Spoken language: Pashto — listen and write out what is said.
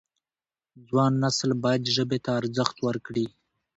ځوان نسل باید ژبې ته ارزښت ورکړي.